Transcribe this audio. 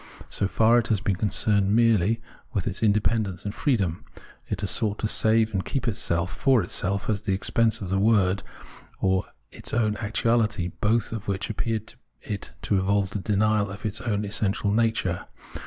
So far it has been concerned merely with its independence and freedom ; it has sought to save and keep itself for itself at the expense of the world or its own actuahty, both of which appeared to it to involve the denial of its own essential nature.